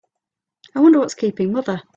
I wonder what's keeping mother?